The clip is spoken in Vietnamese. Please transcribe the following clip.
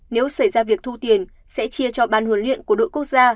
nếu xảy ra việc thu tiền sẽ chia cho ban huấn luyện của đội quốc gia